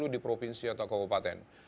lima puluh di provinsi atau kabupaten